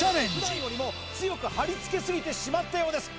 普段よりも強く貼り付けすぎてしまったようです